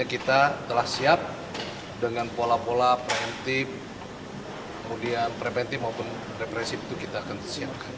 kita telah siap dengan pola pola preemptif preventif dan represif itu kita akan siapkan